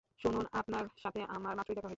শুনুন আপনার সাথে আমার মাত্রই দেখা হয়েছে।